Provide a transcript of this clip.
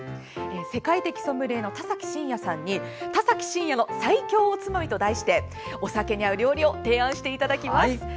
世界的ソムリエの田崎真也さんに「田崎真也の最強おつまみ」と題してお酒に合う料理を提案していただきます。